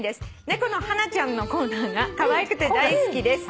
猫のハナちゃんのコーナーがかわいくて大好きです」